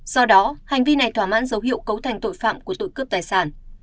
do đó hành vi này thỏa mãn dấu hiệu cấu thành tội phạm của tội cướp tài sản